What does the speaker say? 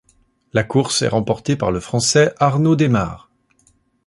La course est remportée par le Français Arnaud Démare.